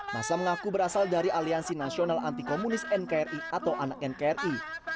masa mengaku berasal dari aliansi nasional anti komunis nkri atau anak nkri